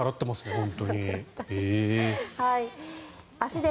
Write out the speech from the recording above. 本当に。